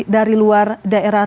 dari luar daerah